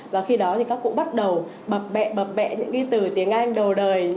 và khi đó thì các cụ bắt đầu bập bẹ bập bẹ những cái từ tiếng anh đầu đời